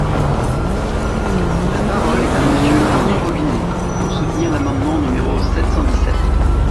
La parole est à Monsieur Arnaud Robinet, pour soutenir l’amendement numéro sept cent dix-sept.